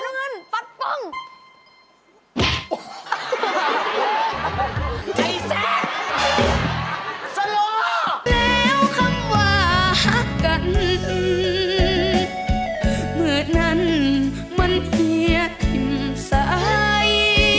มันเพียกทิ้งสาย